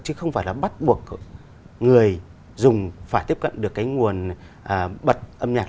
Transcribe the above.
chứ không phải là bắt buộc người dùng phải tiếp cận được cái nguồn bật âm nhạc